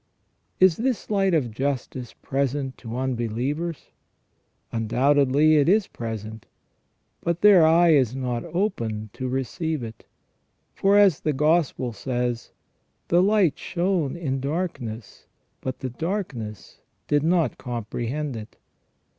Is this light of justice present to unbelievers? Undoubtedly it is present, but their eye is not open to receive it. For, as the Gospel says :" The light shone in darkness, but the darkness did not comprehend it